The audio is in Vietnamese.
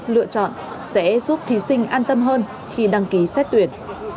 lựa chọn sẽ giúp thí sinh an tâm hơn khi đăng ký xét tuyển